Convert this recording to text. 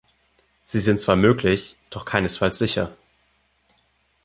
Sie sind zwar möglich, doch keinesfalls sicher.